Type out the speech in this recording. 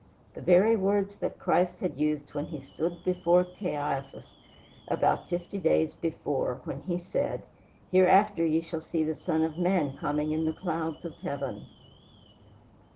the very words that Christ had used when he stood before Caiaphas about fifty days before, when he said, "Hereafter ye shall see the Son of man coming in the clouds of heaven!"